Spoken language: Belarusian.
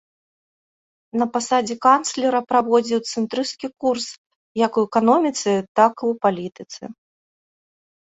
На пасадзе канцлера праводзіў цэнтрысцкі курс як у эканоміцы, так і ў палітыцы.